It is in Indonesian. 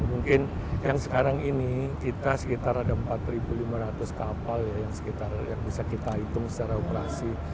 mungkin yang sekarang ini kita sekitar ada empat lima ratus kapal ya yang sekitar yang bisa kita hitung secara operasi